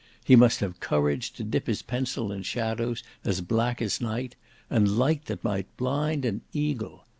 He must have courage to dip his pencil in shadows black as night, and light that might blind an eagle.